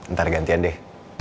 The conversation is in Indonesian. ntar gantian deh